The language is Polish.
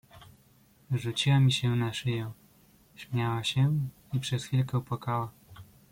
"Rzuciła mi się na szyję, śmiała się i przez chwilkę płakała."